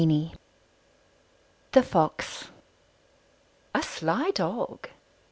] THE FOX. "A sly dog."